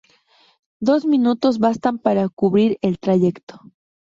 Dos minutos bastan para cubrir el trayecto.